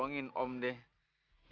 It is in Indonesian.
ya bohongin om deh